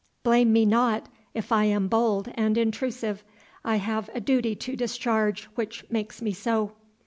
Blame me not, if I am bold and intrusive; I have a duty to discharge which makes me so."